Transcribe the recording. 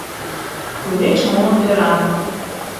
Тулеч моло тӧра